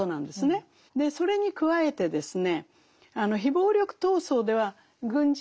それに加えてですね